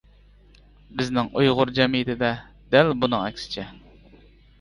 -بىزنىڭ ئۇيغۇر جەمئىيىتىدە دەل بۇنىڭ ئەكسىچە!